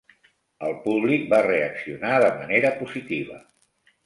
El públic va reaccionar de manera positiva.